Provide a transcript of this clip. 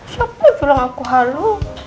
siapa jualan aku halu